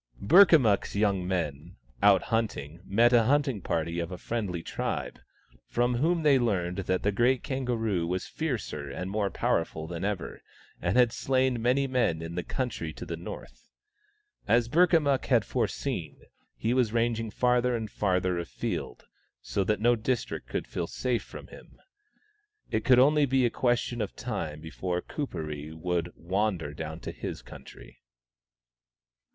Burka miikk's young men, out hunting, met a hunting party of a friendly tribe, from whom they learned that the great kangaroo was fiercer and more powerful than ever, and had slain many men in the country to the north. As Burkamukk had foreseen, he was ranging farther and farther afield, so that no district could feel safe from him. It could be only a question of time before Kuperee would wander dowT. to his country.